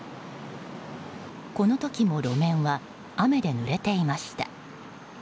この時も路面は雨でぬれていました。